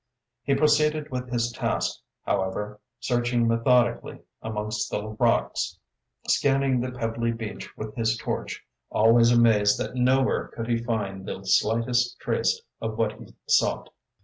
He proceeded with his task, however, searching methodically amongst the rocks, scanning the pebbly beach with his torch, always amazed that nowhere could he find the slightest trace of what he sought.